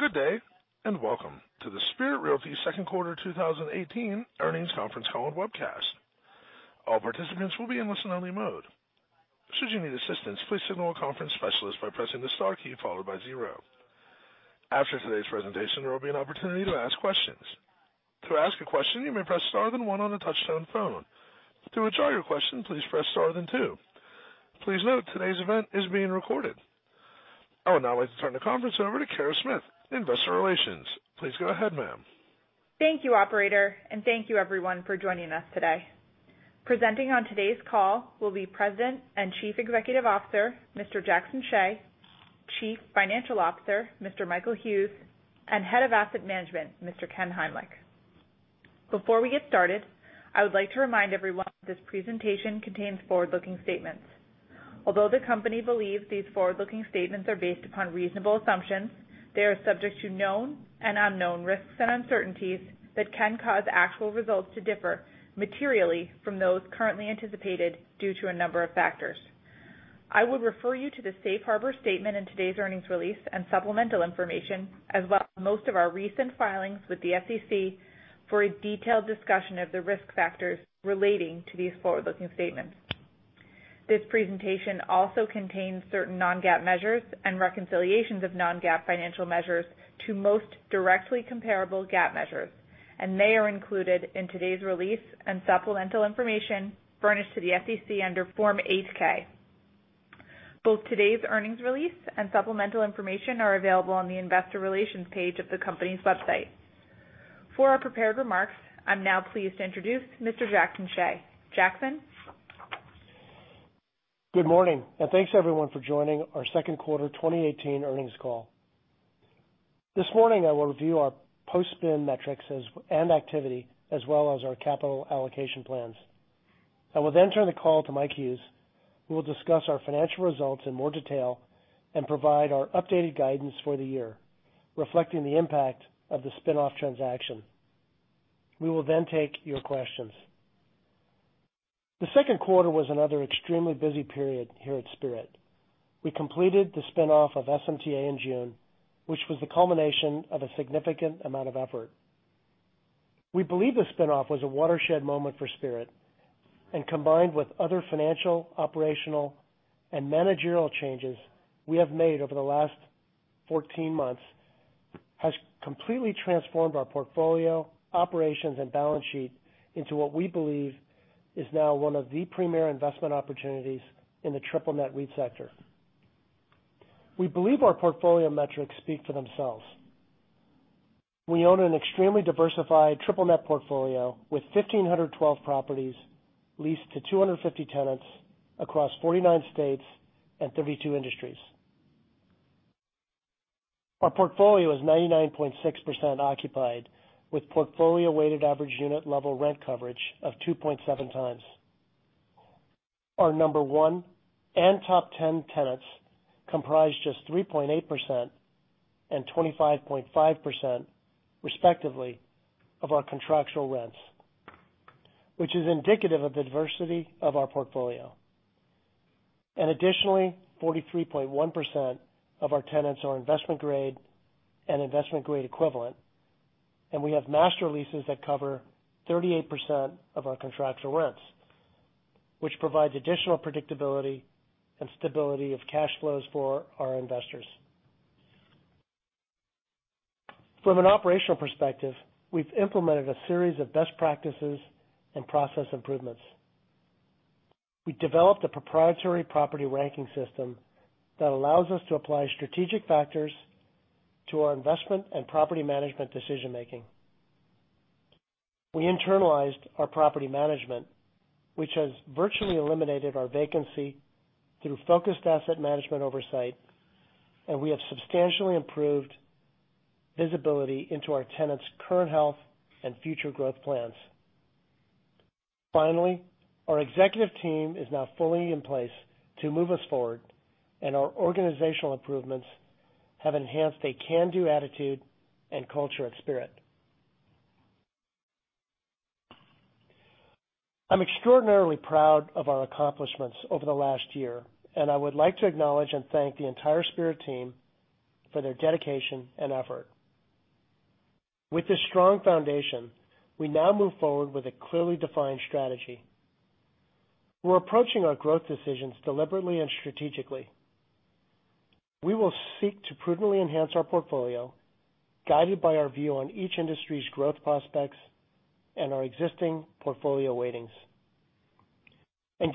Good day, welcome to the Spirit Realty second quarter 2018 earnings conference call and webcast. All participants will be in listen-only mode. Should you need assistance, please signal a conference specialist by pressing the star key followed by zero. After today's presentation, there will be an opportunity to ask questions. To ask a question, you may press star then one on a touch-tone phone. To withdraw your question, please press star then two. Please note, today's event is being recorded. I would now like to turn the conference over to Pierre Revol, Investor Relations. Please go ahead, ma'am. Thank you, operator, thank you, everyone, for joining us today. Presenting on today's call will be President and Chief Executive Officer, Mr. Jackson Hsieh, Chief Financial Officer, Mr. Michael Hughes, and Head of Asset Management, Mr. Ken Heimlich. Before we get started, I would like to remind everyone that this presentation contains forward-looking statements. Although the company believes these forward-looking statements are based upon reasonable assumptions, they are subject to known and unknown risks and uncertainties that can cause actual results to differ materially from those currently anticipated due to a number of factors. I would refer you to the safe harbor statement in today's earnings release and supplemental information, as well as most of our recent filings with the SEC for a detailed discussion of the risk factors relating to these forward-looking statements. This presentation also contains certain non-GAAP measures and reconciliations of non-GAAP financial measures to most directly comparable GAAP measures, they are included in today's release and supplemental information furnished to the SEC under Form 8-K. Both today's earnings release and supplemental information are available on the investor relations page of the company's website. For our prepared remarks, I'm now pleased to introduce Mr. Jackson Hsieh. Jackson? Good morning, thanks, everyone, for joining our second quarter 2018 earnings call. This morning, I will review our post-spin metrics and activity, as well as our capital allocation plans. I will then turn the call to Mike Hughes, who will discuss our financial results in more detail and provide our updated guidance for the year, reflecting the impact of the spin-off transaction. We will then take your questions. The second quarter was another extremely busy period here at Spirit. We completed the spin-off of SMTA in June, which was the culmination of a significant amount of effort. We believe the spin-off was a watershed moment for Spirit, combined with other financial, operational, and managerial changes we have made over the last 14 months, has completely transformed our portfolio, operations, and balance sheet into what we believe is now one of the premier investment opportunities in the triple-net REIT sector. We believe our portfolio metrics speak for themselves. We own an extremely diversified triple-net portfolio with 1,512 properties leased to 250 tenants across 49 states and 32 industries. Our portfolio is 99.6% occupied with portfolio weighted average unit level rent coverage of 2.7 times. Our number 1 and top 10 tenants comprise just 3.8% and 25.5%, respectively, of our contractual rents, which is indicative of the diversity of our portfolio. Additionally, 43.1% of our tenants are investment-grade and investment-grade equivalent, and we have master leases that cover 38% of our contractual rents, which provides additional predictability and stability of cash flows for our investors. From an operational perspective, we've implemented a series of best practices and process improvements. We developed a proprietary property ranking system that allows us to apply strategic factors to our investment and property management decision-making. We internalized our property management, which has virtually eliminated our vacancy through focused asset management oversight, and we have substantially improved visibility into our tenants' current health and future growth plans. Finally, our executive team is now fully in place to move us forward, and our organizational improvements have enhanced a can-do attitude and culture at Spirit. I'm extraordinarily proud of our accomplishments over the last year, and I would like to acknowledge and thank the entire Spirit team for their dedication and effort. With this strong foundation, we now move forward with a clearly defined strategy. We're approaching our growth decisions deliberately and strategically. We will seek to prudently enhance our portfolio, guided by our view on each industry's growth prospects and our existing portfolio weightings.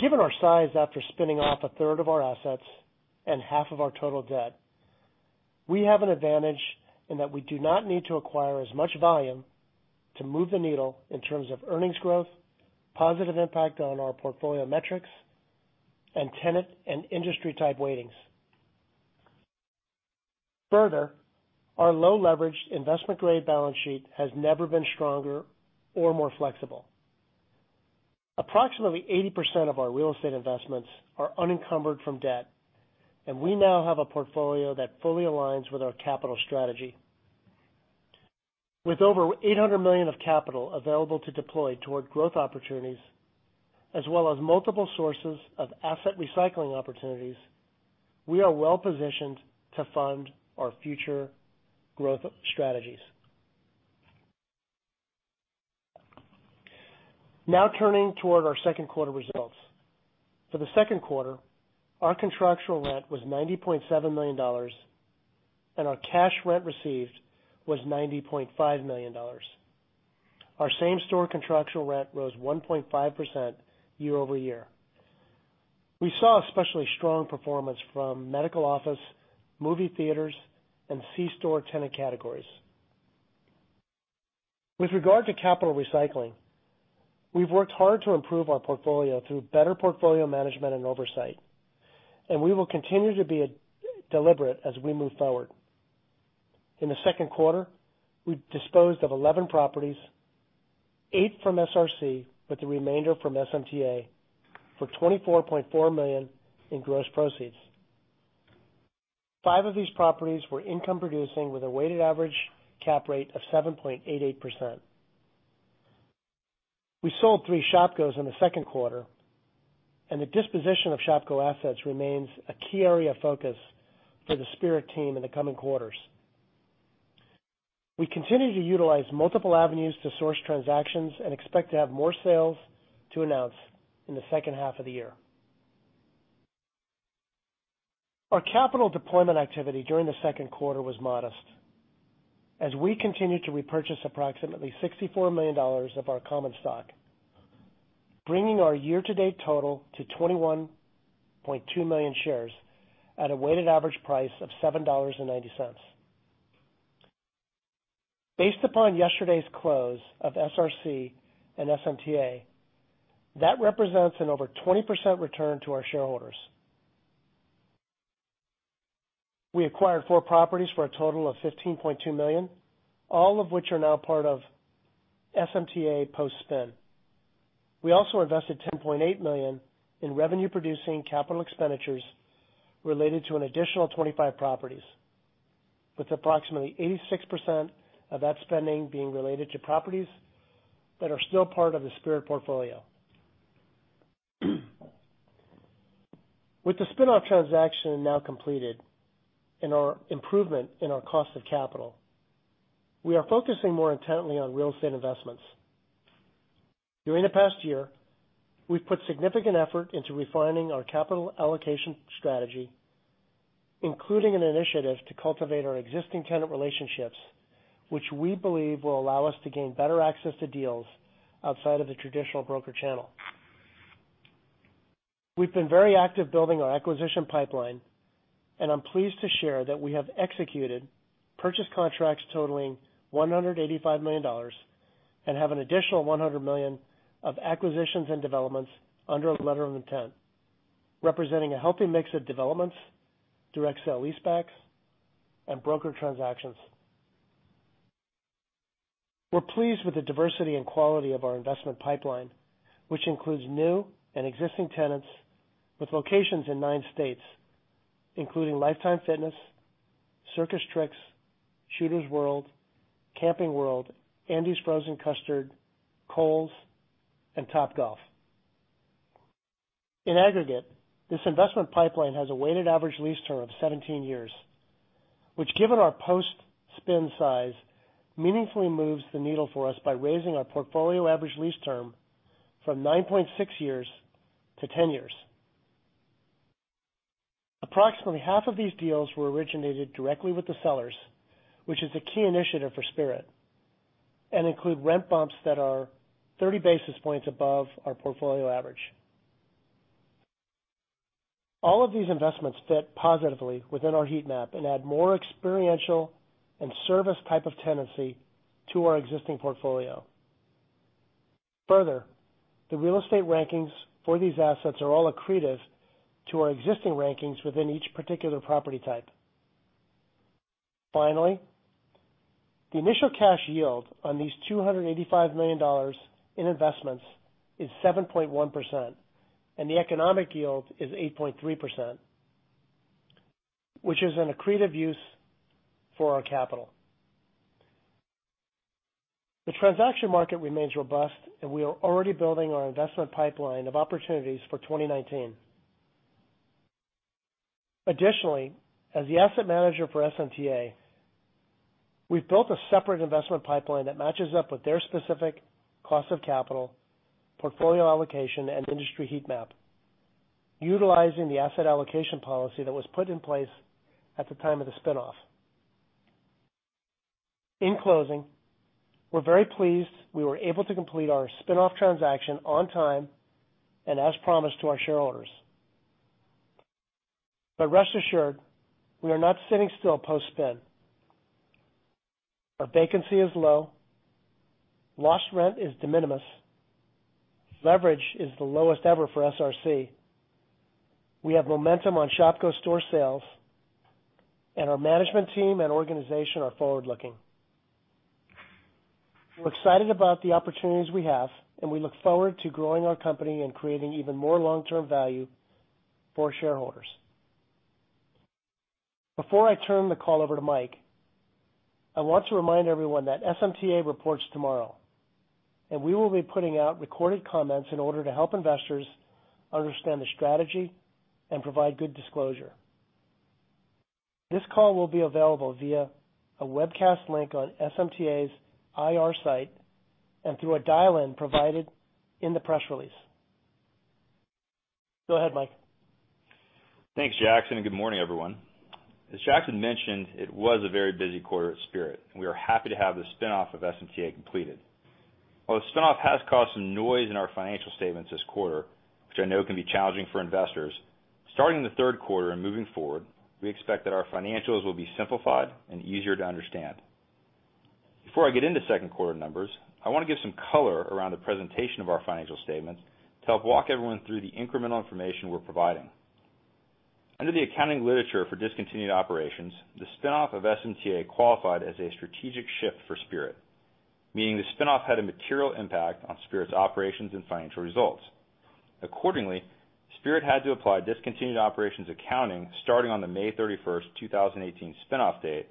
Given our size after spinning off a third of our assets and half of our total debt, we have an advantage in that we do not need to acquire as much volume to move the needle in terms of earnings growth, positive impact on our portfolio metrics, and tenant and industry type weightings. Further, our low-leveraged investment-grade balance sheet has never been stronger or more flexible. Approximately 80% of our real estate investments are unencumbered from debt, and we now have a portfolio that fully aligns with our capital strategy. With over $800 million of capital available to deploy toward growth opportunities, as well as multiple sources of asset recycling opportunities, we are well-positioned to fund our future growth strategies. Now turning toward our second quarter results. For the second quarter, our contractual rent was $90.7 million, and our cash rent received was $90.5 million. Our same-store contractual rent rose 1.5% year-over-year. We saw especially strong performance from medical office, movie theaters, and C-store tenant categories. With regard to capital recycling, we've worked hard to improve our portfolio through better portfolio management and oversight, and we will continue to be deliberate as we move forward. In the second quarter, we disposed of 11 properties, eight from SRC with the remainder from SMTA for $24.4 million in gross proceeds. Five of these properties were income producing with a weighted average cap rate of 7.88%. We sold three Shopko in the second quarter, and the disposition of Shopko assets remains a key area of focus for the Spirit team in the coming quarters. We continue to utilize multiple avenues to source transactions and expect to have more sales to announce in the second half of the year. Our capital deployment activity during the second quarter was modest as we continued to repurchase approximately $64 million of our common stock, bringing our year-to-date total to 21.2 million shares at a weighted average price of $7.90. Based upon yesterday's close of SRC and SMTA, that represents an over 20% return to our shareholders. We acquired four properties for a total of $15.2 million, all of which are now part of SMTA post-spin. We also invested $10.8 million in revenue-producing capital expenditures related to an additional 25 properties, with approximately 86% of that spending being related to properties that are still part of the Spirit portfolio. With the spin-off transaction now completed and our improvement in our cost of capital, we are focusing more intently on real estate investments. During the past year, we've put significant effort into refining our capital allocation strategy, including an initiative to cultivate our existing tenant relationships, which we believe will allow us to gain better access to deals outside of the traditional broker channel. We've been very active building our acquisition pipeline, and I'm pleased to share that we have executed purchase contracts totaling $185 million and have an additional $100 million of acquisitions and developments under a letter of intent, representing a healthy mix of developments through sale leasebacks and broker transactions. We're pleased with the diversity and quality of our investment pipeline, which includes new and existing tenants with locations in nine states, including Life Time Fitness, CircusTrix, Shooters World, Camping World, Andy's Frozen Custard, Kohl's, and Topgolf. In aggregate, this investment pipeline has a weighted average lease term of 17 years, which given our post-spin size, meaningfully moves the needle for us by raising our portfolio average lease term from 9.6 years to 10 years. Approximately half of these deals were originated directly with the sellers, which is a key initiative for Spirit and include rent bumps that are 30 basis points above our portfolio average. All of these investments fit positively within our heat map and add more experiential and service type of tenancy to our existing portfolio. Further, the real estate rankings for these assets are all accretive to our existing rankings within each particular property type. Finally, the initial cash yield on these $285 million in investments is 7.1%, and the economic yield is 8.3%, which is an accretive use for our capital. The transaction market remains robust, and we are already building our investment pipeline of opportunities for 2019. Additionally, as the asset manager for SMTA, we've built a separate investment pipeline that matches up with their specific cost of capital, portfolio allocation, and industry heat map, utilizing the asset allocation policy that was put in place at the time of the spin-off. In closing, we're very pleased we were able to complete our spin-off transaction on time and as promised to our shareholders. Rest assured, we are not sitting still post-spin. Our vacancy is low, lost rent is de minimis. Leverage is the lowest ever for SRC. We have momentum on Shopko store sales, and our management team and organization are forward-looking. We're excited about the opportunities we have, and we look forward to growing our company and creating even more long-term value for shareholders. Before I turn the call over to Mike, I want to remind everyone that SMTA reports tomorrow, and we will be putting out recorded comments in order to help investors understand the strategy and provide good disclosure. This call will be available via a webcast link on SMTA's IR site and through a dial-in provided in the press release. Go ahead, Mike. Thanks, Jackson. Good morning, everyone. As Jackson mentioned, it was a very busy quarter at Spirit. We are happy to have the spin-off of SMTA completed. While the spin-off has caused some noise in our financial statements this quarter, which I know can be challenging for investors, starting the third quarter and moving forward, we expect that our financials will be simplified and easier to understand. Before I get into second quarter numbers, I want to give some color around the presentation of our financial statements to help walk everyone through the incremental information we're providing. Under the accounting literature for discontinued operations, the spin-off of SMTA qualified as a strategic shift for Spirit, meaning the spin-off had a material impact on Spirit's operations and financial results. Accordingly, Spirit had to apply discontinued operations accounting starting on the May 31st, 2018 spin-off date,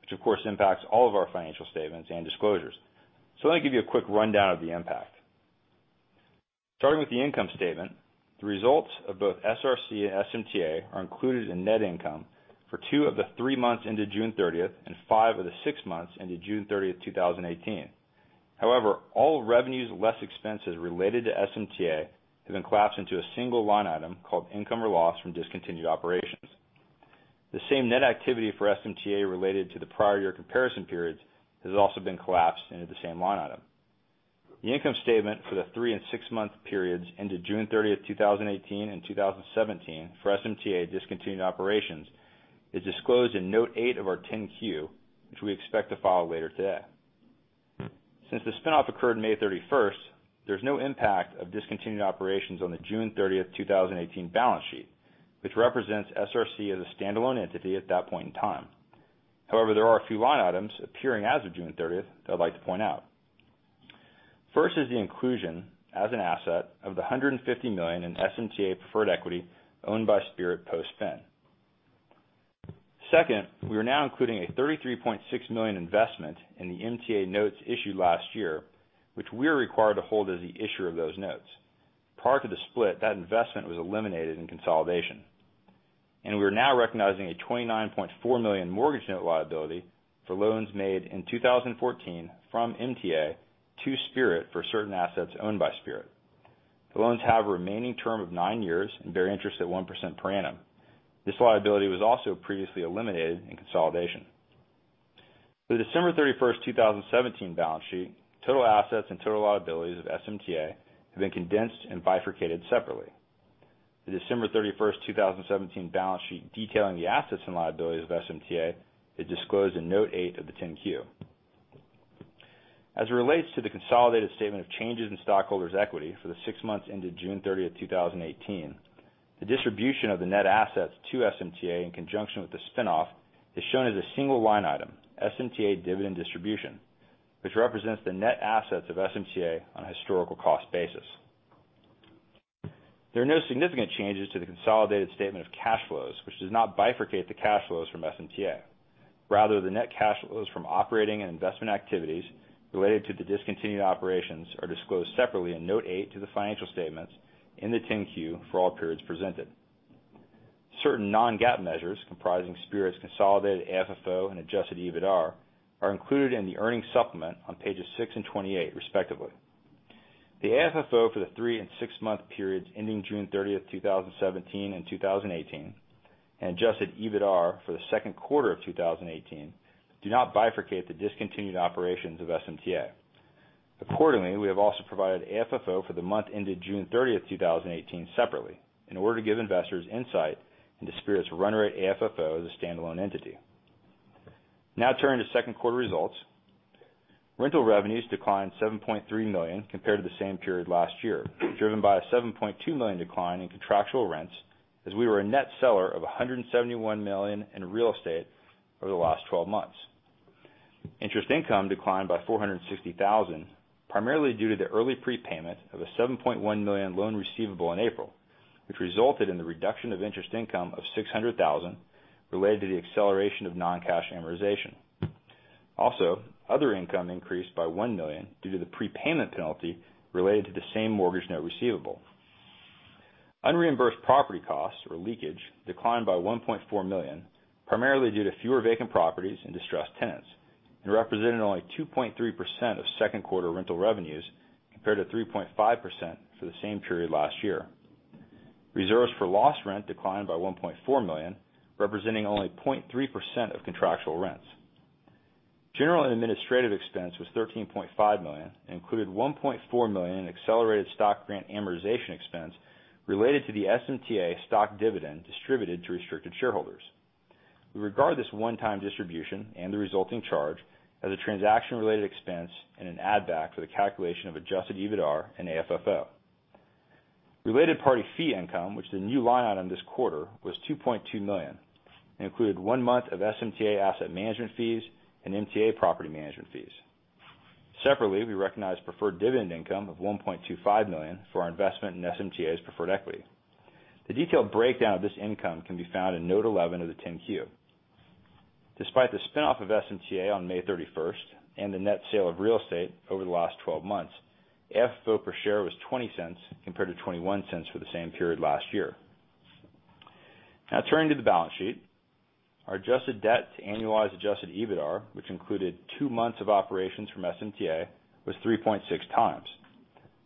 which of course, impacts all of our financial statements and disclosures. Let me give you a quick rundown of the impact. Starting with the income statement, the results of both SRC and SMTA are included in net income for two of the three months ended June 30th and five of the six months ended June 30th, 2018. However, all revenues less expenses related to SMTA have been collapsed into a single line item called income or loss from discontinued operations. The same net activity for SMTA related to the prior year comparison periods has also been collapsed into the same line item. The income statement for the three and six-month periods ended June 30th, 2018 and 2017 for SMTA discontinued operations is disclosed in Note 8 of our 10-Q, which we expect to file later today. Since the spin-off occurred May 31st, there's no impact of discontinued operations on the June 30th, 2018 balance sheet, which represents SRC as a standalone entity at that point in time. However, there are a few line items appearing as of June 30th that I'd like to point out. First is the inclusion as an asset of the $150 million in SMTA preferred equity owned by Spirit post-spin. Second, we are now including a $33.6 million investment in the MTA notes issued last year, which we are required to hold as the issuer of those notes. Prior to the split, that investment was eliminated in consolidation. We are now recognizing a $29.4 million mortgage note liability for loans made in 2014 from MTA to Spirit for certain assets owned by Spirit. The loans have a remaining term of nine years and bear interest at 1% per annum. This liability was also previously eliminated in consolidation. For the December 31st, 2017 balance sheet, total assets and total liabilities of SMTA have been condensed and bifurcated separately. The December 31st, 2017 balance sheet detailing the assets and liabilities of SMTA is disclosed in Note 8 of the 10-Q. As it relates to the consolidated statement of changes in stockholders' equity for the six months ended June 30th, 2018, the distribution of the net assets to SMTA in conjunction with the spin-off is shown as a single-line item, SMTA dividend distribution, which represents the net assets of SMTA on a historical cost basis. There are no significant changes to the consolidated statement of cash flows, which does not bifurcate the cash flows from SMTA. Rather, the net cash flows from operating and investment activities related to the discontinued operations are disclosed separately in Note 8 to the financial statements in the 10-Q for all periods presented. Certain non-GAAP measures comprising Spirit's consolidated AFFO and adjusted EBITDAR are included in the earnings supplement on pages six and 28, respectively. The AFFO for the three and six-month periods ending June 30th, 2017 and 2018, and adjusted EBITDAR for the second quarter of 2018 do not bifurcate the discontinued operations of SMTA. Accordingly, we have also provided AFFO for the month ended June 30th, 2018 separately in order to give investors insight into Spirit's run-rate AFFO as a standalone entity. Turning to second quarter results. Rental revenues declined $7.3 million compared to the same period last year, driven by a $7.2 million decline in contractual rents as we were a net seller of $171 million in real estate over the last 12 months. Interest income declined by $460,000, primarily due to the early prepayment of a $7.1 million loan receivable in April, which resulted in the reduction of interest income of $600,000 related to the acceleration of non-cash amortization. Also, other income increased by $1 million due to the prepayment penalty related to the same mortgage note receivable. Unreimbursed property costs or leakage declined by $1.4 million, primarily due to fewer vacant properties and distressed tenants and represented only 2.3% of second quarter rental revenues compared to 3.5% for the same period last year. Reserves for loss rent declined by $1.4 million, representing only 0.3% of contractual rents. General and administrative expense was $13.5 million and included $1.4 million in accelerated stock grant amortization expense related to the SMTA stock dividend distributed to restricted shareholders. We regard this one-time distribution and the resulting charge as a transaction-related expense and an add-back for the calculation of adjusted EBITDAR and AFFO. Related party fee income, which is a new line item this quarter, was $2.2 million and included one month of SMTA asset management fees and MTA property management fees. Separately, we recognize preferred dividend income of $1.25 million for our investment in SMTA's preferred equity. The detailed breakdown of this income can be found in Note 11 of the Form 10-Q. Despite the spinoff of SMTA on May 31st and the net sale of real estate over the last 12 months, FFO per share was $0.20 compared to $0.21 for the same period last year. Turning to the balance sheet. Our adjusted debt to annualized adjusted EBITDAR, which included two months of operations from SMTA, was 3.6 times.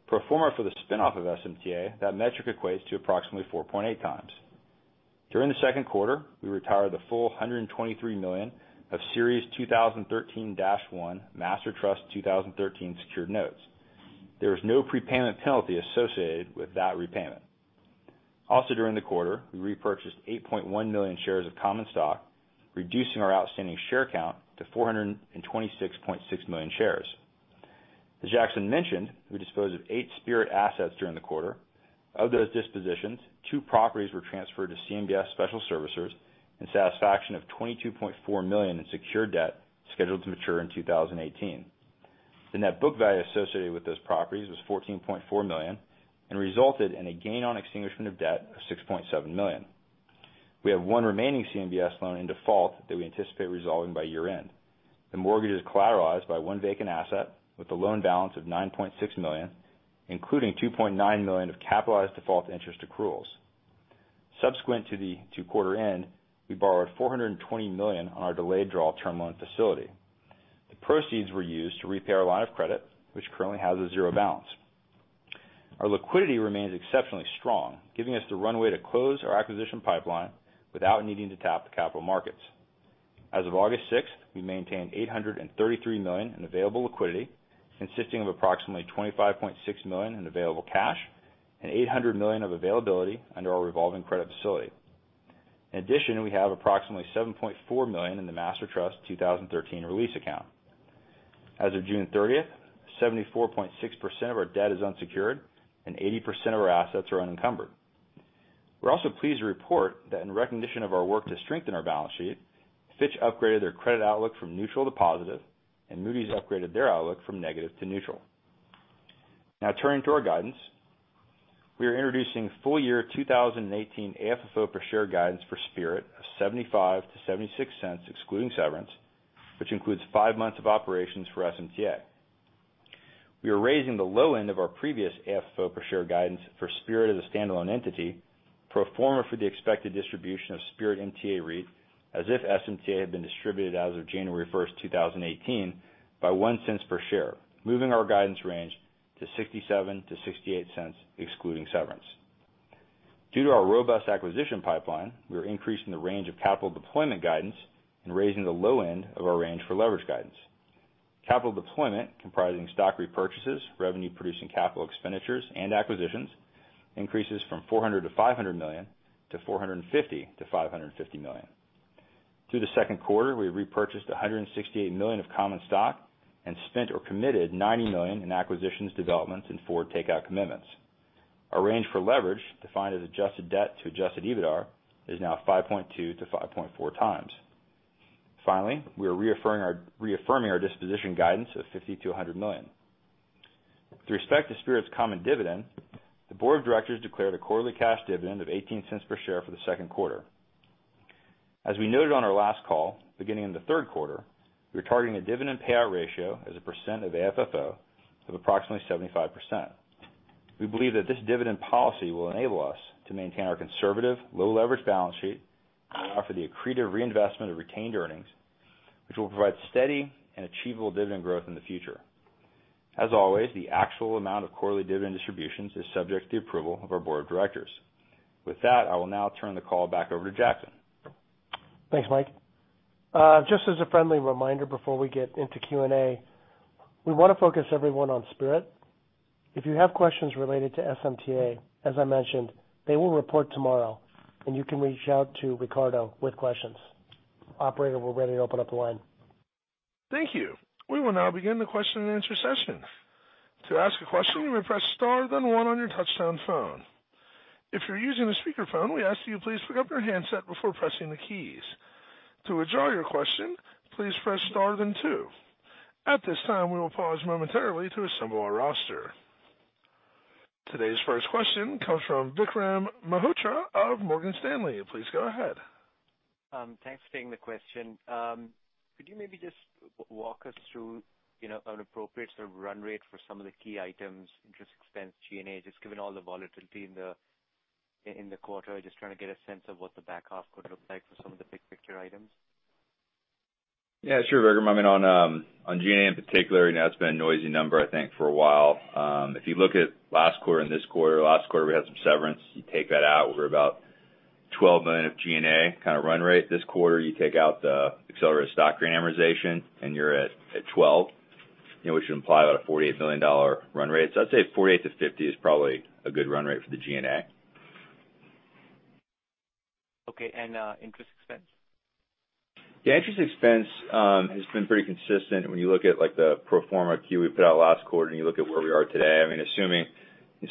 Pro forma for the spinoff of SMTA, that metric equates to approximately 4.8 times. During the second quarter, we retired the full $123 million of Series 2013-1 Master Trust 2013 secured notes. There was no prepayment penalty associated with that repayment. During the quarter, we repurchased 8.1 million shares of common stock, reducing our outstanding share count to 426.6 million shares. As Jackson mentioned, we disposed of 8 Spirit assets during the quarter. Of those dispositions, 2 properties were transferred to CMBS Special Servicers in satisfaction of $22.4 million in secured debt scheduled to mature in 2018. The net book value associated with those properties was $14.4 million and resulted in a gain on extinguishment of debt of $6.7 million. We have 1 remaining CMBS loan in default that we anticipate resolving by year-end. The mortgage is collateralized by 1 vacant asset with a loan balance of $9.6 million, including $2.9 million of capitalized default interest accruals. Subsequent to quarter end, we borrowed $420 million on our delayed draw term loan facility. The proceeds were used to repay our line of credit, which currently has a zero balance. Our liquidity remains exceptionally strong, giving us the runway to close our acquisition pipeline without needing to tap the capital markets. As of August 6th, we maintained $833 million in available liquidity, consisting of approximately $25.6 million in available cash and $800 million of availability under our revolving credit facility. We have approximately $7.4 million in the Master Trust 2013 release account. As of June 30th, 74.6% of our debt is unsecured and 80% of our assets are unencumbered. We are also pleased to report that in recognition of our work to strengthen our balance sheet, Fitch upgraded their credit outlook from neutral to positive, and Moody's upgraded their outlook from negative to neutral. Turning to our guidance. We are introducing full-year 2018 AFFO per share guidance for Spirit of $0.75-$0.76 excluding severance, which includes five months of operations for SMTA. We are raising the low end of our previous AFFO per share guidance for Spirit as a standalone entity, pro forma for the expected distribution of Spirit MTA REIT as if SMTA had been distributed as of January 1st, 2018, by $0.01 per share, moving our guidance range to $0.67-$0.68 excluding severance. Due to our robust acquisition pipeline, we are increasing the range of capital deployment guidance and raising the low end of our range for leverage guidance. Capital deployment, comprising stock repurchases, revenue-producing capital expenditures, and acquisitions, increases from $400 million-$500 million to $450 million-$550 million. Through the second quarter, we repurchased $168 million of common stock and spent or committed $90 million in acquisitions, developments, and forward takeout commitments. Our range for leverage, defined as adjusted debt to adjusted EBITDAR, is now 5.2-5.4 times. We are reaffirming our disposition guidance of $50 million-$100 million. With respect to Spirit's common dividend, the board of directors declared a quarterly cash dividend of $0.18 per share for the second quarter. As we noted on our last call, beginning in the third quarter, we are targeting a dividend payout ratio as a percent of AFFO of approximately 75%. We believe that this dividend policy will enable us to maintain our conservative, low-leverage balance sheet and offer the accretive reinvestment of retained earnings, which will provide steady and achievable dividend growth in the future. As always, the actual amount of quarterly dividend distributions is subject to the approval of our board of directors. With that, I will now turn the call back over to Jackson. Thanks, Mike. As a friendly reminder before we get into Q&A, we want to focus everyone on Spirit. If you have questions related to SMTA, as I mentioned, they will report tomorrow, and you can reach out to Ricardo with questions. Operator, we're ready to open up the line. Thank you. We will now begin the question-and-answer session. To ask a question, you may press star then one on your touchtone phone. If you're using a speakerphone, we ask that you please pick up your handset before pressing the keys. To withdraw your question, please press star then two. At this time, we will pause momentarily to assemble our roster. Today's first question comes from Vikram Malhotra of Morgan Stanley. Please go ahead. Thanks for taking the question. Could you maybe just walk us through an appropriate sort of run rate for some of the key items, interest expense, G&A, just given all the volatility in the quarter? Just trying to get a sense of what the back half could look like for some of the big picture items. Yeah, sure, Vikram. On G&A in particular, that's been a noisy number, I think, for a while. If you look at last quarter and this quarter, last quarter we had some severance. You take that out, we're about $12 million of G&A kind of run rate. This quarter, you take out the accelerated stock grant amortization, and you're at $12 million, which would imply about a $48 million run rate. I'd say $48 million-$50 million is probably a good run rate for the G&A. Okay, interest expense? The interest expense has been pretty consistent when you look at the pro forma Q we put out last quarter and you look at where we are today.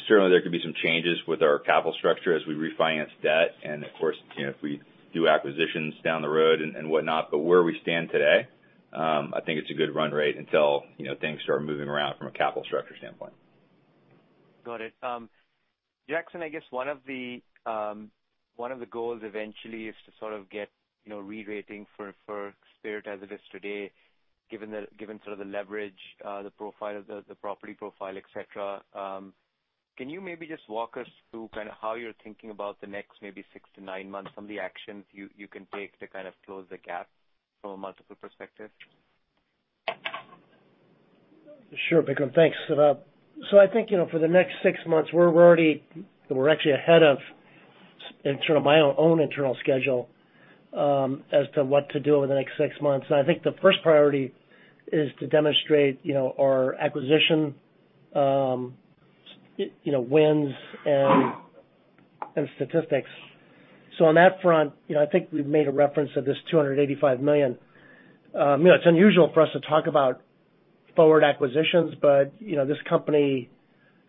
Certainly there could be some changes with our capital structure as we refinance debt, and of course, if we do acquisitions down the road and whatnot. Where we stand today, I think it's a good run rate until things start moving around from a capital structure standpoint. Got it. Jackson, one of the goals eventually is to get rerating for Spirit as it is today, given the leverage, the property profile, et cetera. Can you maybe just walk us through how you're thinking about the next 6-9 months, some of the actions you can take to close the gap from a multiple perspective? Sure, Vikram. Thanks. For the next six months, we're actually ahead of my own internal schedule as to what to do over the next six months. The first priority is to demonstrate our acquisition wins and statistics. On that front, we've made a reference of this $285 million. It's unusual for us to talk about forward acquisitions, but this company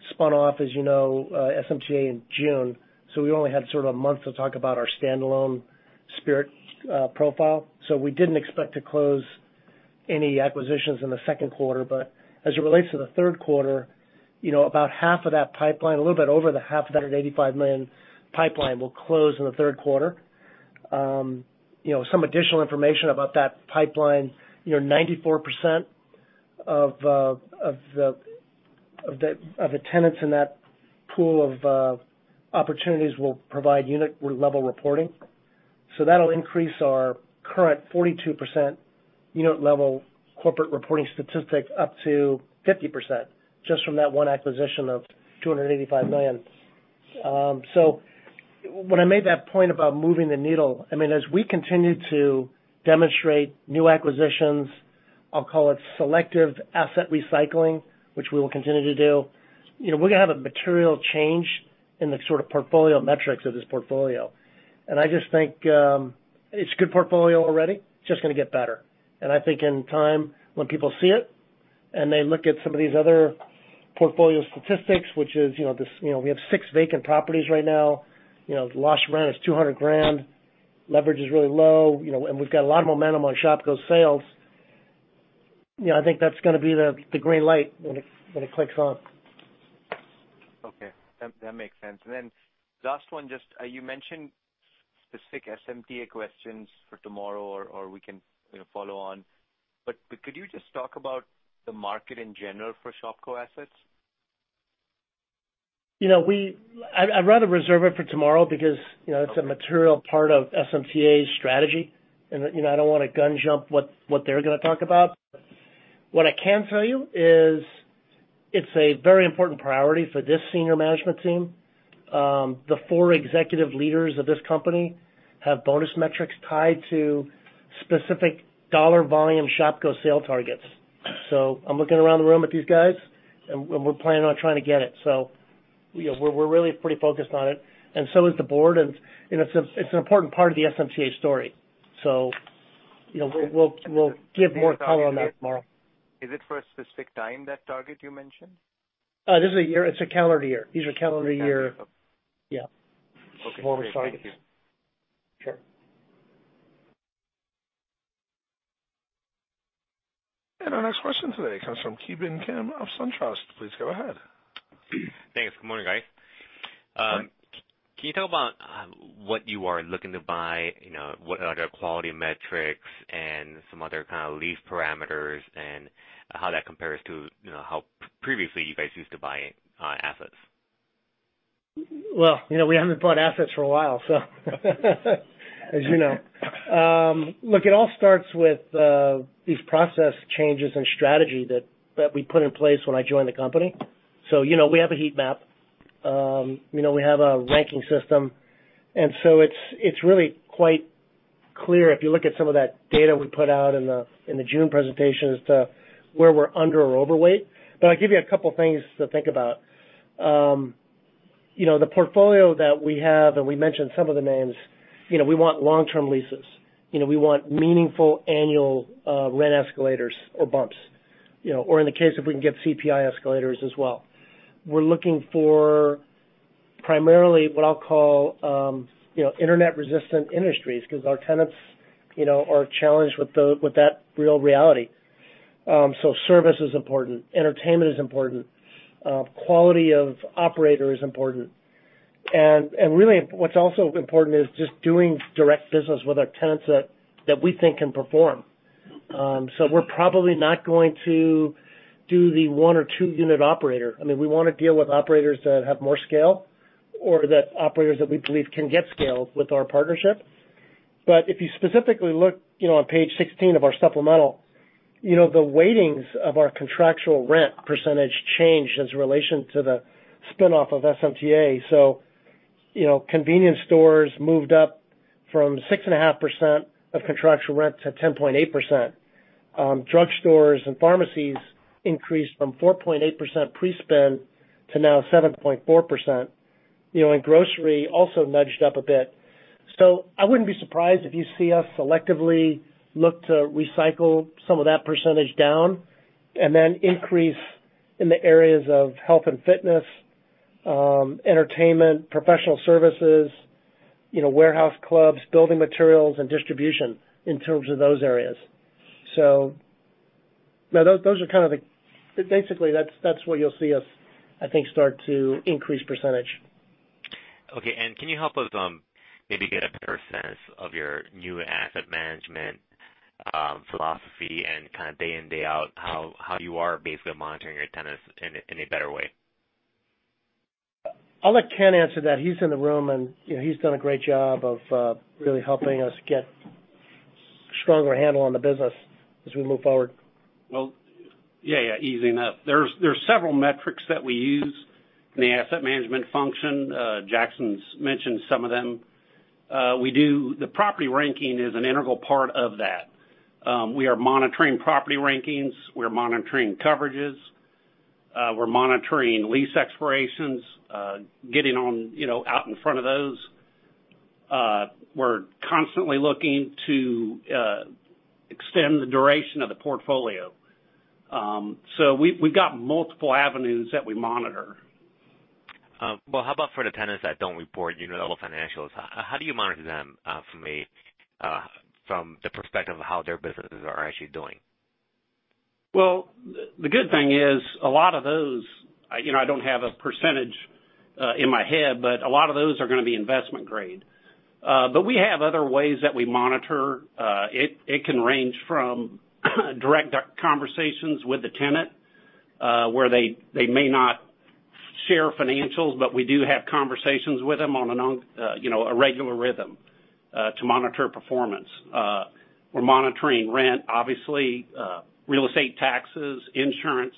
spun off, as you know, SMTA in June. We only had a month to talk about our standalone Spirit profile. We didn't expect to close any acquisitions in the second quarter. As it relates to the third quarter, about half of that pipeline, a little bit over the half of that $185 million pipeline will close in the third quarter. Some additional information about that pipeline, 94% of the tenants in that pool of opportunities will provide unit-level reporting. That'll increase our current 42% unit-level corporate reporting statistic up to 50%, just from that one acquisition of $285 million. When I made that point about moving the needle, as we continue to demonstrate new acquisitions, I'll call it selective asset recycling, which we will continue to do. We're going to have a material change in the portfolio metrics of this portfolio. I just think it's a good portfolio already, just going to get better. I think in time when people see it, and they look at some of these other portfolio statistics, which is we have six vacant properties right now. The lost rent is $200 thousand. Leverage is really low, and we've got a lot of momentum on Shopko sales. I think that's going to be the green light when it clicks on. Okay. That makes sense. Last one, just you mentioned specific SMTA questions for tomorrow or we can follow on. Could you just talk about the market in general for Shopko assets? I'd rather reserve it for tomorrow because it's a material part of SMTA's strategy, and I don't want to gun jump what they're going to talk about. What I can tell you is it's a very important priority for this senior management team. The four executive leaders of this company have bonus metrics tied to specific dollar volume Shopko sale targets. I'm looking around the room at these guys, and we're planning on trying to get it. We're really pretty focused on it, and so is the board. It's an important part of the SMTA story. We'll give more color on that tomorrow. Is it for a specific time, that target you mentioned? It's a calendar year. These are calendar year- Okay. Great. Thank you. Yeah. Forward targets. Sure. Our next question today comes from Ki Bin Kim of SunTrust. Please go ahead. Thanks. Good morning, guys. Morning. Can you talk about what you are looking to buy? What are the quality metrics and some other kind of lease parameters and how that compares to how previously you guys used to buy assets? We haven't bought assets for a while, as you know. Look, it all starts with these process changes and strategy that we put in place when I joined the company. We have a heat map. We have a ranking system, and it's really quite clear if you look at some of that data we put out in the June presentation as to where we're under or overweight. I'll give you a couple things to think about. The portfolio that we have, and we mentioned some of the names, we want long-term leases. We want meaningful annual rent escalators or bumps. Or in the case if we can get CPI escalators as well. We're looking for primarily what I'll call internet-resistant industries, because our tenants are challenged with that real reality. Service is important. Entertainment is important. Quality of operator is important. Really, what's also important is just doing direct business with our tenants that we think can perform. We're probably not going to do the one or 2-unit operator. We want to deal with operators that have more scale or the operators that we believe can get scale with our partnership. If you specifically look on page 16 of our supplemental, the weightings of our contractual rent percentage changed as relation to the spin-off of SMTA. Convenience stores moved up from 6.5% of contractual rent to 10.8%. Drug stores and pharmacies increased from 4.8% pre-spin to now 7.4%. Grocery also nudged up a bit. I wouldn't be surprised if you see us selectively look to recycle some of that percentage down and then increase in the areas of health and fitness, entertainment, professional services, warehouse clubs, building materials, and distribution in terms of those areas. Basically, that's where you'll see us, I think, start to increase percentage. Okay. Can you help us maybe get a better sense of your new asset management philosophy and kind of day in, day out, how you are basically monitoring your tenants in a better way? I'll let Ken answer that. He's in the room, and he's done a great job of really helping us get a stronger handle on the business as we move forward. Well, yeah. Easing up. There's several metrics that we use in the asset management function. Jackson's mentioned some of them. The property ranking is an integral part of that. We are monitoring property rankings. We're monitoring coverages. We're monitoring lease expirations, getting out in front of those. We're constantly looking to extend the duration of the portfolio. We've got multiple avenues that we monitor. Well, how about for the tenants that don't report unit level financials? How do you monitor them from the perspective of how their businesses are actually doing? The good thing is a lot of those, I don't have a percentage in my head, but a lot of those are going to be investment-grade. We have other ways that we monitor. It can range from direct conversations with the tenant, where they may not share financials, but we do have conversations with them on a regular rhythm to monitor performance. We're monitoring rent, obviously real estate taxes, insurance.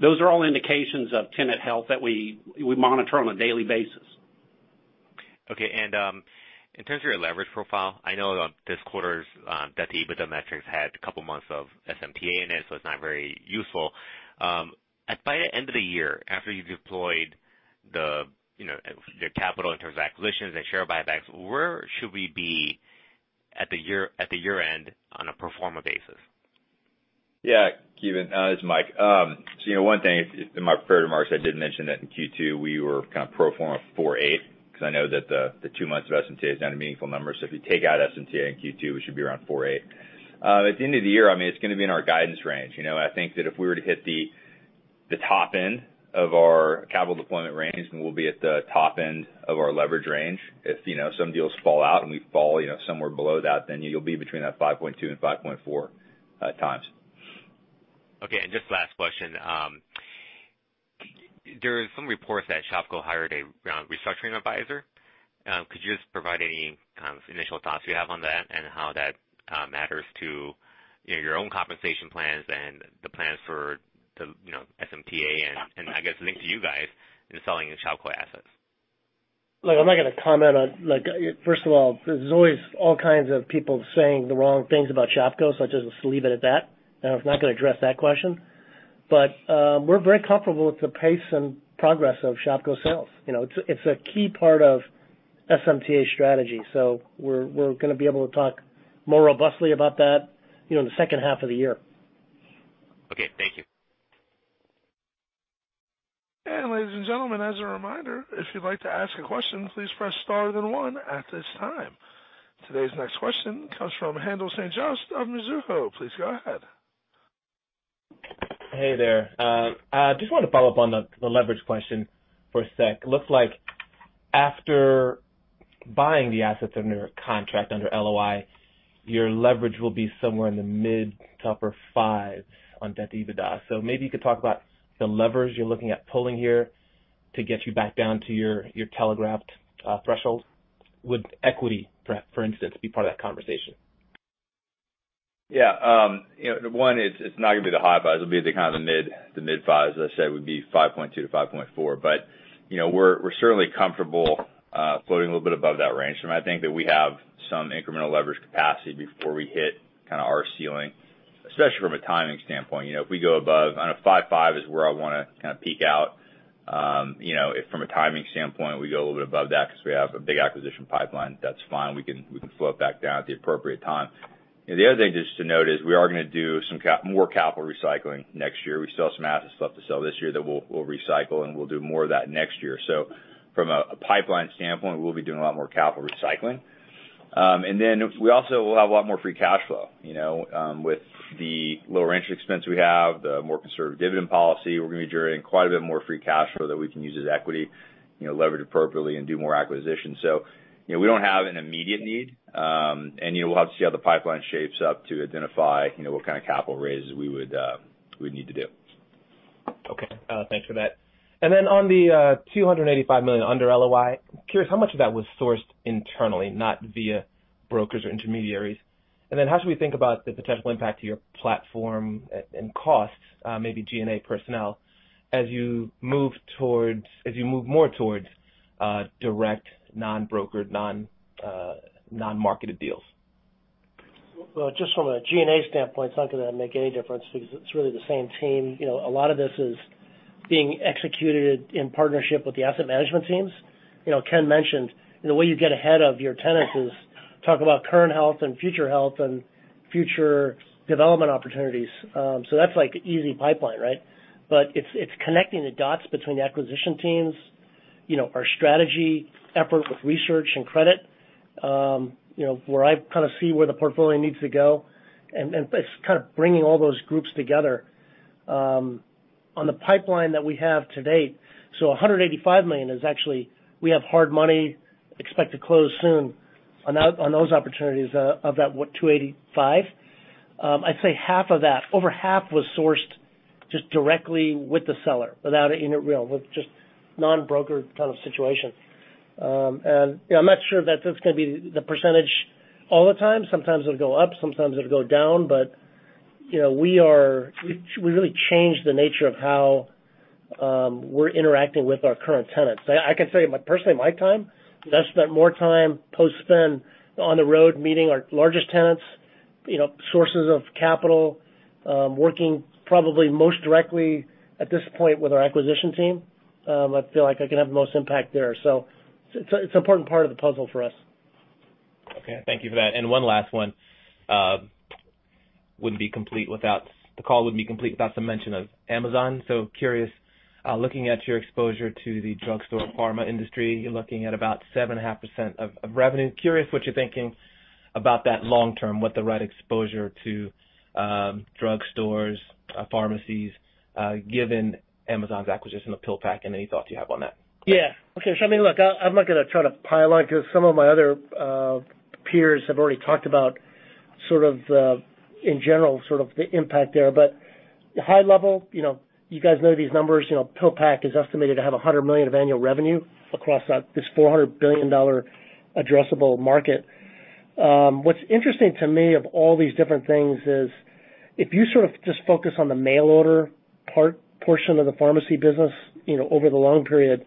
Those are all indications of tenant health that we monitor on a daily basis. Okay. In terms of your leverage profile, I know this quarter's debt to EBITDA metrics had a couple of months of SMTA in it, so it's not very useful. By the end of the year, after you've deployed your capital in terms of acquisitions and share buybacks, where should we be at the year-end on a pro forma basis? Yeah, Ki Bin, it's Mike. One thing in my prepared remarks, I did mention that in Q2 we were kind of pro forma 4.8, because I know that the two months of SMTA is not a meaningful number. If you take out SMTA in Q2, we should be around 4.8. At the end of the year, it's going to be in our guidance range. I think that if we were to hit the top end of our capital deployment range, then we'll be at the top end of our leverage range. If some deals fall out and we fall somewhere below that, then you'll be between that 5.2 and 5.4 times. Okay. Just last question. There are some reports that Shopko hired a restructuring advisor. Could you just provide any kind of initial thoughts you have on that and how that matters to your own compensation plans and the plans for the SMTA and I guess linked to you guys in selling your Shopko assets? Look, First of all, there's always all kinds of people saying the wrong things about Shopko, I'll just leave it at that. I'm not going to address that question. We're very comfortable with the pace and progress of Shopko sales. It's a key part of SMTA's strategy. We're going to be able to talk more robustly about that in the second half of the year. Okay. Thank you. Ladies and gentlemen, as a reminder, if you'd like to ask a question, please press star then one at this time. Today's next question comes from Haendel St. Juste of Mizuho. Please go ahead. Hey there. Just want to follow up on the leverage question for a sec. Looks like after buying the assets under contract under LOI, your leverage will be somewhere in the mid to upper five on debt to EBITDA. Maybe you could talk about the levers you're looking at pulling here to get you back down to your telegraphed threshold. Would equity, for instance, be part of that conversation? It's not going to be the high fives. It'll be the kind of the mid fives, as I said, would be 5.2 to 5.4. We're certainly comfortable floating a little bit above that range. I think that we have some incremental leverage capacity before we hit kind of our ceiling, especially from a timing standpoint. If we go above on a 5.5 is where I want to kind of peak out. If from a timing standpoint, we go a little bit above that because we have a big acquisition pipeline, that's fine. We can float back down at the appropriate time. The other thing just to note is we are going to do some more capital recycling next year. We still have some assets left to sell this year that we'll recycle, and we'll do more of that next year. From a pipeline standpoint, we'll be doing a lot more capital recycling. We also will have a lot more free cash flow. With the lower interest expense we have, the more conservative dividend policy, we're going to be generating quite a bit more free cash flow that we can use as equity, leverage appropriately and do more acquisitions. We don't have an immediate need. We'll have to see how the pipeline shapes up to identify what kind of capital raises we would need to do. Okay. Thanks for that. On the $285 million under LOI, I'm curious how much of that was sourced internally, not via brokers or intermediaries. How should we think about the potential impact to your platform and costs, maybe G&A personnel, as you move more towards direct non-brokered, non-marketed deals? Just from a G&A standpoint, it's not going to make any difference because it's really the same team. A lot of this is being executed in partnership with the asset management teams. Ken mentioned the way you get ahead of your tenants is talk about current health and future health and future development opportunities. That's like easy pipeline, right? It's connecting the dots between the acquisition teams, our strategy effort with research and credit, where I kind of see where the portfolio needs to go, and it's kind of bringing all those groups together. On the pipeline that we have to date, $185 million is actually, we have hard money expect to close soon on those opportunities of that, what, $285? I'd say half of that. Over half was sourced just directly with the seller without any real, with just non-brokered kind of situation. I'm not sure that that's going to be the percentage all the time. Sometimes it'll go up, sometimes it'll go down. We really changed the nature of how we're interacting with our current tenants. I can say, personally, my time, I've spent more time post-spin on the road, meeting our largest tenants, sources of capital, working probably most directly at this point with our acquisition team. I feel like I can have the most impact there. It's an important part of the puzzle for us. Okay. Thank you for that. One last one. The call wouldn't be complete without some mention of Amazon. Curious, looking at your exposure to the drugstore pharma industry, you're looking at about 7.5% of revenue. Curious what you're thinking about that long term, what the right exposure to drugstores, pharmacies, given Amazon's acquisition of PillPack and any thoughts you have on that. Yeah. Okay. I mean, look, I'm not going to try to pile on because some of my other peers have already talked about in general, sort of the impact there. High level, you guys know these numbers. PillPack is estimated to have $100 million of annual revenue across this $400 billion addressable market. What's interesting to me of all these different things is if you sort of just focus on the mail order part portion of the pharmacy business over the long period,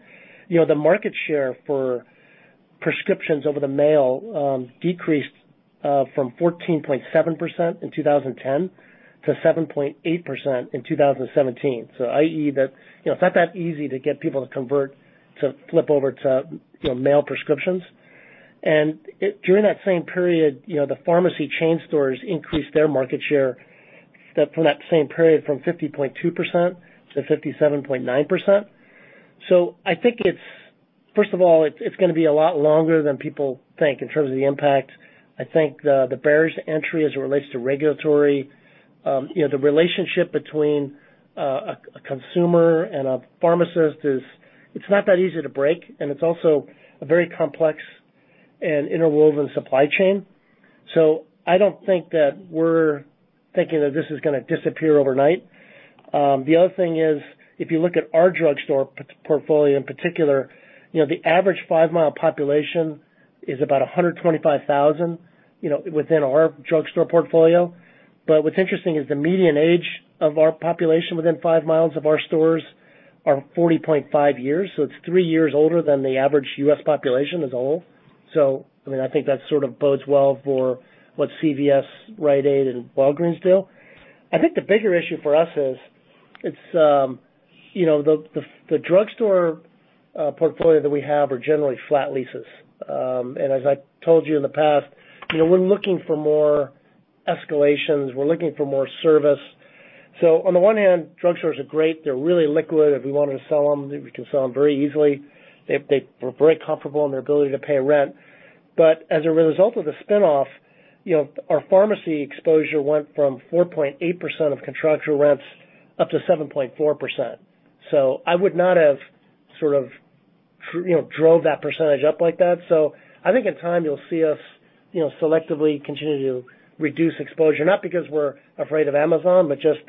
the market share for prescriptions over the mail decreased from 14.7% in 2010 to 7.8% in 2017. i.e. that it's not that easy to get people to convert, to flip over to mail prescriptions. During that same period, the pharmacy chain stores increased their market share from that same period from 50.2% to 57.9%. I think, first of all, it's going to be a lot longer than people think in terms of the impact. I think the barriers to entry as it relates to regulatory, the relationship between a consumer and a pharmacist is it's not that easy to break. It's also a very complex and interwoven supply chain. I don't think that we're thinking that this is going to disappear overnight. The other thing is, if you look at our drugstore portfolio in particular, the average five-mile population is about 125,000 within our drugstore portfolio. What's interesting is the median age of our population within five miles of our stores are 40.5 years. It's three years older than the average U.S. population as a whole. I mean, I think that sort of bodes well for what CVS, Rite Aid, and Walgreens do. I think the bigger issue for us is the drugstore portfolio that we have are generally flat leases. As I told you in the past, we're looking for more escalations. We're looking for more service. On the one hand, drugstores are great. They're really liquid. If we wanted to sell them, we can sell them very easily. They were very comfortable in their ability to pay rent. As a result of the spin-off, our pharmacy exposure went from 4.8% of contractual rents up to 7.4%. I would not have sort of drove that percentage up like that. I think in time you'll see us selectively continue to reduce exposure, not because we're afraid of Amazon, but just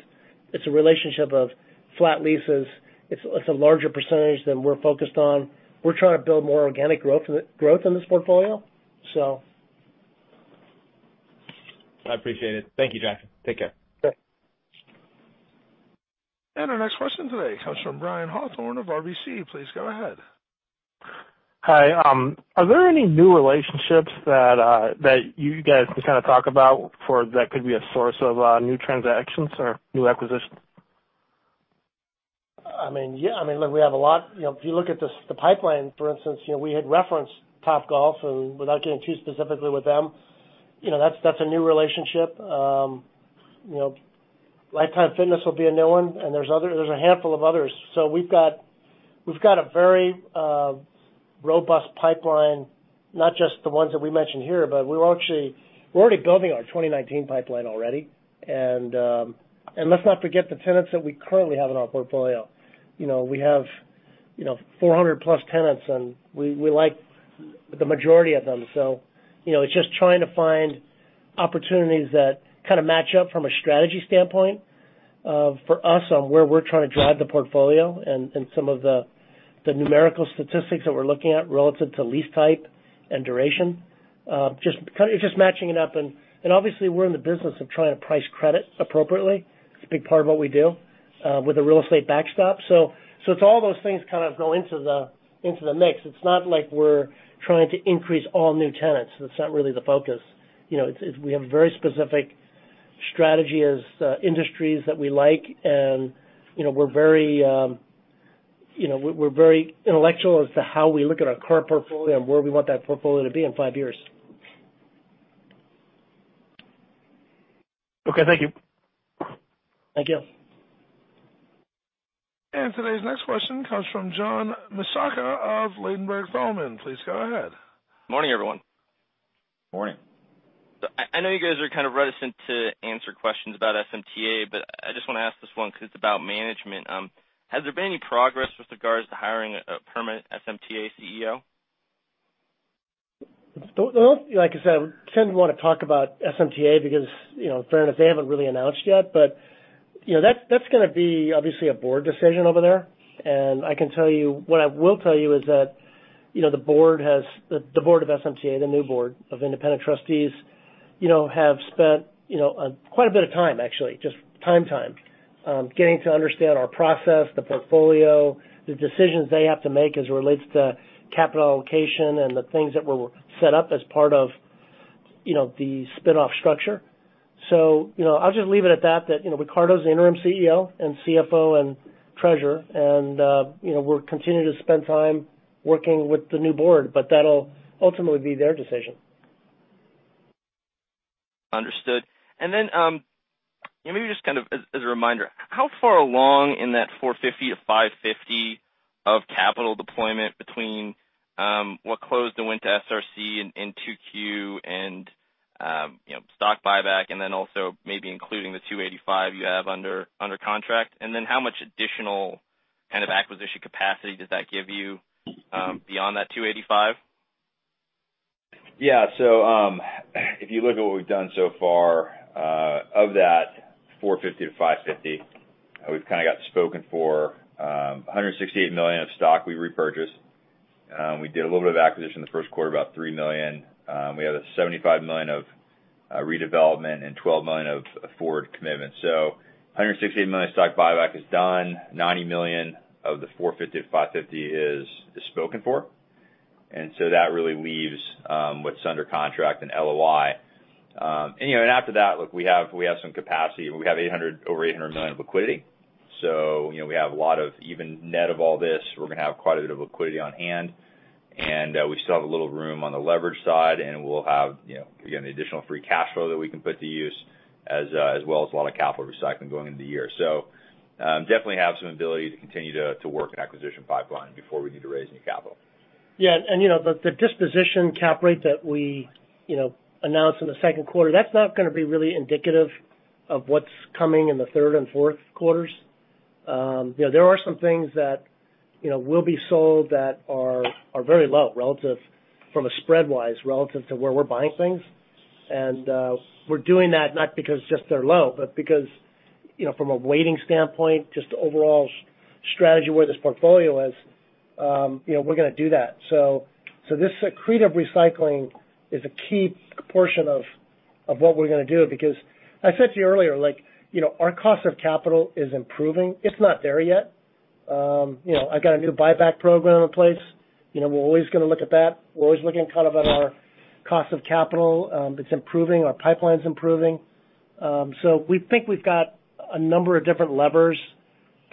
it's a relationship of flat leases. It's a larger percentage than we're focused on. We're trying to build more organic growth in this portfolio. I appreciate it. Thank you, Jackson. Take care. Sure. Our next question today comes from Brian Hawthorne of RBC. Please go ahead. Hi. Are there any new relationships that you guys can kind of talk about that could be a source of new transactions or new acquisitions? I mean, yeah. I mean, look, we have a lot. If you look at the pipeline, for instance, we had referenced Topgolf, and without getting too specifically with them, that's a new relationship. Life Time Fitness will be a new one, and there's a handful of others. We've got a very robust pipeline, not just the ones that we mentioned here, but we're already building our 2019 pipeline already. Let's not forget the tenants that we currently have in our portfolio. We have 400-plus tenants, and we like the majority of them. It's just trying to find opportunities that kind of match up from a strategy standpoint for us on where we're trying to drive the portfolio and some of the numerical statistics that we're looking at relative to lease type and duration. Just kind of just matching it up. Obviously we're in the business of trying to price credit appropriately. It's a big part of what we do with the real estate backstop. It's all those things kind of go into the mix. It's not like we're trying to increase all new tenants. That's not really the focus. We have a very specific strategy as industries that we like, and we're very intellectual as to how we look at our current portfolio and where we want that portfolio to be in five years. Okay. Thank you. Thank you. Today's next question comes from John Massocca of Ladenburg Thalmann. Please go ahead. Morning, everyone. Morning. I know you guys are kind of reticent to answer questions about SMTA, but I just want to ask this one because it's about management. Has there been any progress with regards to hiring a permanent SMTA CEO? Like I said, we tend to want to talk about SMTA because in fairness, they haven't really announced yet. That is going to be obviously a board decision over there. What I will tell you is that the board of SMTA, the new board of independent trustees, have spent quite a bit of time actually, just time, getting to understand our process, the portfolio, the decisions they have to make as it relates to capital allocation and the things that were set up as part of the spin-off structure. I will just leave it at that Ricardo is the interim CEO and CFO and treasurer, and we will continue to spend time working with the new board, but that will ultimately be their decision. Understood. Then, maybe just kind of as a reminder, how far along in that $450-$550 of capital deployment between what closed and went to SRC in 2Q and stock buyback, and then also maybe including the 285 you have under contract, and then how much additional kind of acquisition capacity does that give you beyond that 285? Yeah. If you look at what we have done so far, of that $450-$550, we have kind of got spoken for, $168 million of stock we repurchased. We did a little bit of acquisition in the first quarter, about $3 million. We have $75 million of redevelopment and $12 million of forward commitments. $168 million stock buyback is done. 90 million of the $450-$550 is spoken for. That really leaves what is under contract in LOI. After that, look, we have some capacity. We have over $800 million of liquidity. We have a lot of even net of all this, we are going to have quite a bit of liquidity on hand. We still have a little room on the leverage side, and we will have the additional free cash flow that we can put to use as well as a lot of capital recycling going into the year. Definitely have some ability to continue to work in acquisition pipeline before we need to raise any capital. The disposition cap rate that we announced in the second quarter, that's not going to be really indicative of what's coming in the third and fourth quarters. There are some things that will be sold that are very low relative from a spread-wise relative to where we're buying things. We're doing that not because just they're low, but because, from a weighting standpoint, just the overall strategy where this portfolio is, we're going to do that. This accretive recycling is a key portion of what we're going to do because I said to you earlier, our cost of capital is improving. It's not there yet. I've got a new buyback program in place. We're always going to look at that. We're always looking kind of at our cost of capital. It's improving, our pipeline's improving. We think we've got a number of different levers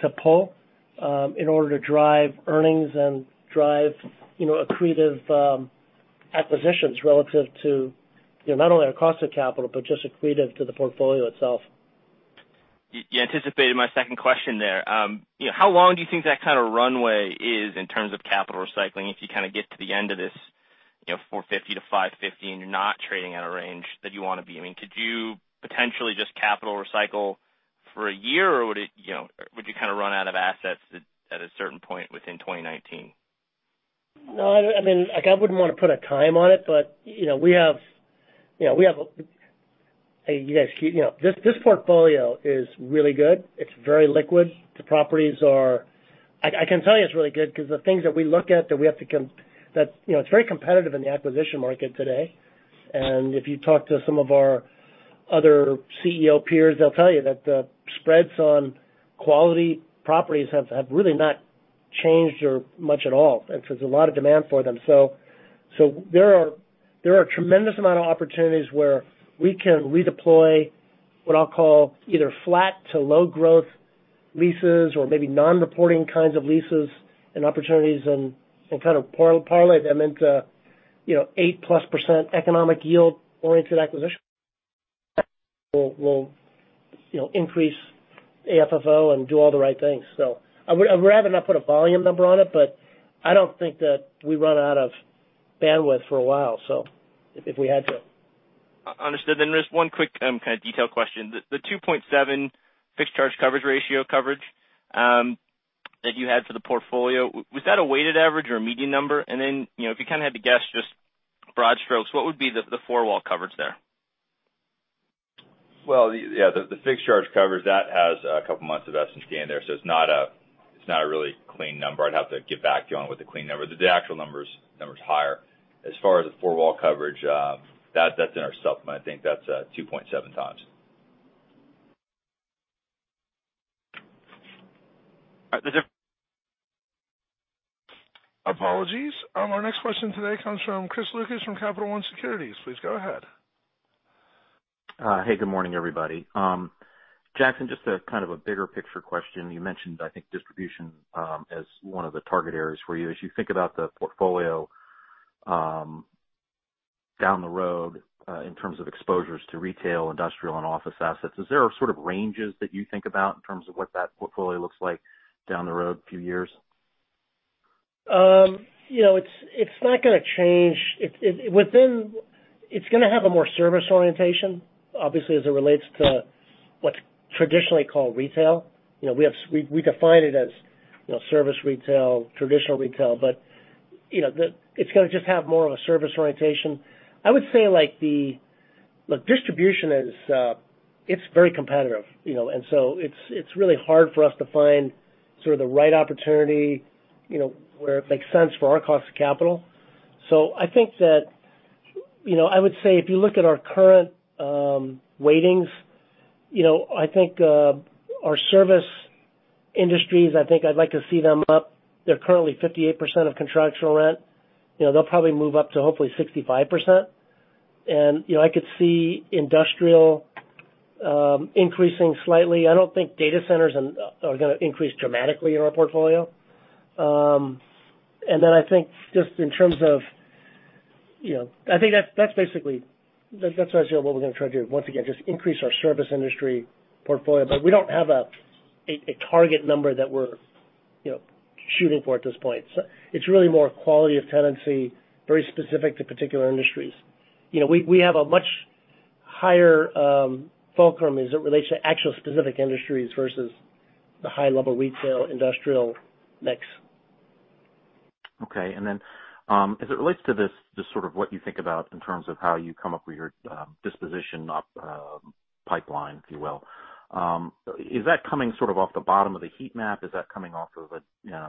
to pull in order to drive earnings and drive accretive acquisitions relative to, not only our cost of capital, but just accretive to the portfolio itself. You anticipated my second question there. How long do you think that kind of runway is in terms of capital recycling if you kind of get to the end of this $450-$550 and you're not trading at a range that you want to be? I mean, could you potentially just capital recycle for a year or would you kind of run out of assets at a certain point within 2019? No. I wouldn't want to put a time on it. This portfolio is really good. It's very liquid. I can tell you it's really good because the things that we look at, it's very competitive in the acquisition market today. If you talk to some of our other CEO peers, they'll tell you that the spreads on quality properties have really not changed much at all. There's a lot of demand for them. There are a tremendous amount of opportunities where we can redeploy what I'll call either flat to low growth leases or maybe non-reporting kinds of leases and opportunities and kind of parlay them into 8%+ economic yield-oriented acquisition will increase AFFO and do all the right things. I would rather not put a volume number on it, but I don't think that we run out of bandwidth for a while if we had to. Understood. Just one quick kind of detail question. The 2.7 fixed charge coverage ratio coverage that you had for the portfolio, was that a weighted average or a median number? And then, if you kind of had to guess just broad strokes, what would be the four-wall coverage there? Yeah, the fixed charge coverage, that has a couple of months of EBITDAR gain there, so it's not a really clean number. I'd have to get back to you on what the clean number. The actual number's higher. As far as the four-wall coverage, that's in our supplement. I think that's 2.7 times. All right. Apologies. Our next question today comes from Chris Lucas from Capital One Securities. Please go ahead. Hey, good morning, everybody. Jackson, just a kind of a bigger picture question. You mentioned, I think, distribution as one of the target areas for you. As you think about the portfolio, down the road in terms of exposures to retail, industrial, and office assets, is there sort of ranges that you think about in terms of what that portfolio looks like down the road a few years? It's not going to change. It's going to have a more service orientation, obviously, as it relates to what's traditionally called retail. We define it as service retail, traditional retail, it's going to just have more of a service orientation. I would say, distribution, it's very competitive. It's really hard for us to find sort of the right opportunity, where it makes sense for our cost of capital. I would say, if you look at our current weightings, I think our service industries, I think I'd like to see them up. They're currently 58% of contractual rent. They'll probably move up to hopefully 65%. I could see industrial increasing slightly. I don't think data centers are going to increase dramatically in our portfolio. I think that's basically what we're going to try to do. Once again, just increase our service industry portfolio. We don't have a target number that we're shooting for at this point. It's really more quality of tenancy, very specific to particular industries. We have a much higher fulcrum as it relates to actual specific industries versus the high-level retail industrial mix. Okay. As it relates to this, just sort of what you think about in terms of how you come up with your disposition pipeline, if you will. Is that coming sort of off the bottom of the heat map? Is that coming off of a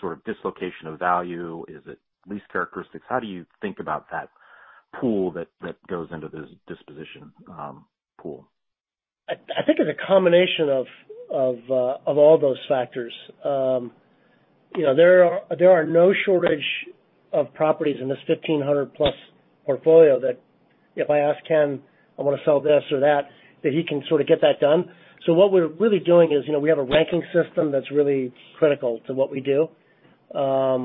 sort of dislocation of value? Is it lease characteristics? How do you think about that pool that goes into this disposition pool? I think it's a combination of all those factors. There are no shortage of properties in this 1,500 plus portfolio that if I ask Ken, I want to sell this or that he can sort of get that done. We have a ranking system that's really critical to what we do. There are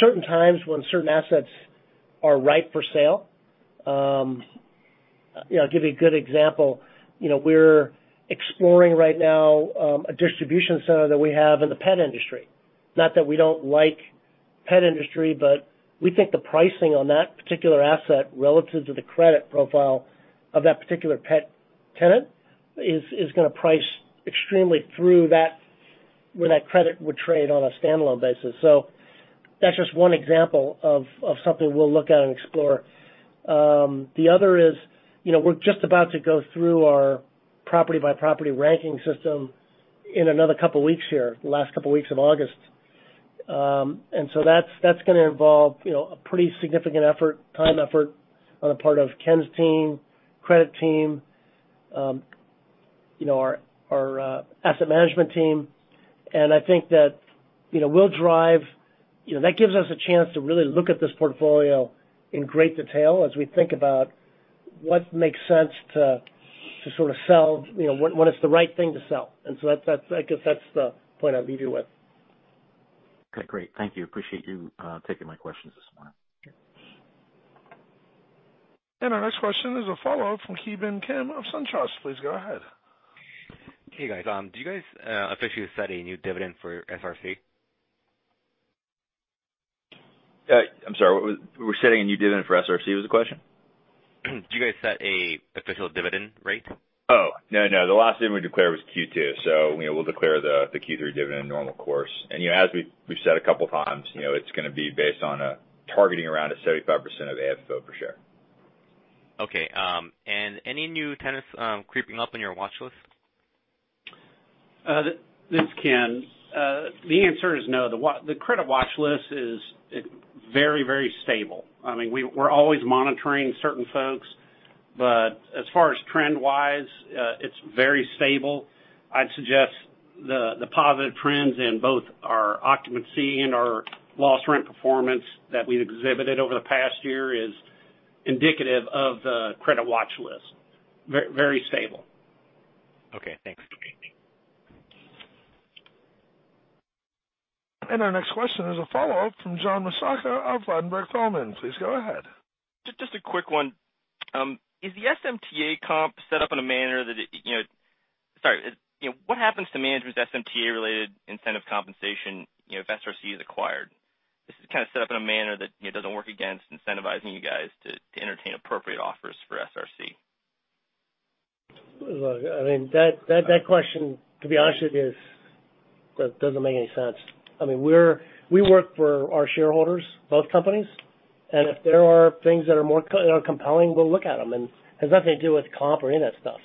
certain times when certain assets are ripe for sale. I'll give you a good example. We're exploring right now, a distribution center that we have in the pet industry. Not that we don't like pet industry, but we think the pricing on that particular asset relative to the credit profile of that particular pet tenant is going to price extremely through that, where that credit would trade on a standalone basis. That's just one example of something we'll look at and explore. The other is, we're just about to go through our property-by-property ranking system in another couple of weeks here, the last couple of weeks of August. That's going to involve a pretty significant time effort on the part of Ken's team, credit team, our asset management team. I think that gives us a chance to really look at this portfolio in great detail as we think about what makes sense to sort of sell, when it's the right thing to sell. I guess that's the point I'd leave you with. Great. Thank you. Appreciate you taking my questions this morning. Our next question is a follow-up from Ki Bin Kim of SunTrust. Please go ahead. Hey, guys. Do you guys officially set a new dividend for SRC? I'm sorry. We're setting a new dividend for SRC, was the question? Do you guys set an official dividend rate? Oh, no. The last dividend we declared was Q2. We'll declare the Q3 dividend in normal course. As we've said a couple of times, it's going to be based on targeting around at 75% of AFFO per share. Okay. Any new tenants creeping up on your watch list? This is Ken. The answer is no. The credit watch list is very stable. We're always monitoring certain folks, but as far as trend-wise, it's very stable. I'd suggest the positive trends in both our occupancy and our loss rent performance that we've exhibited over the past year is indicative of the credit watch list. Very stable. Okay, thanks. Our next question is a follow-up from John Massocca of Ladenburg Thalmann. Please go ahead. Just a quick one. What happens to management's SMTA-related incentive compensation if SRC is acquired? Is it kind of set up in a manner that doesn't work against incentivizing you guys to entertain appropriate offers for SRC? Look, that question, to be honest with you, doesn't make any sense. We work for our shareholders, both companies. If there are things that are compelling, we'll look at them. It has nothing to do with comp or any of that stuff.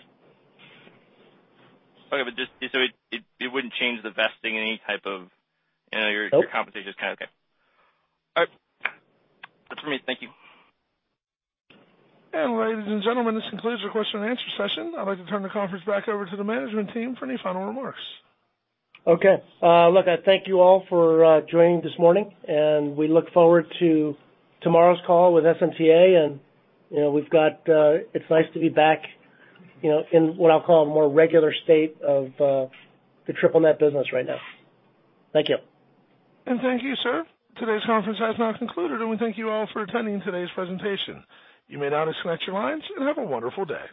Okay. Just so it wouldn't change the vesting. Nope. Your compensation is kind of Okay. All right. That's from me. Thank you. ladies and gentlemen, this concludes our question and answer session. I'd like to turn the conference back over to the management team for any final remarks. Okay. I thank you all for joining this morning, we look forward to tomorrow's call with SMTA. It's nice to be back in what I'll call a more regular state of the triple-net business right now. Thank you. Thank you, sir. Today's conference has now concluded, and we thank you all for attending today's presentation. You may now disconnect your lines, and have a wonderful day.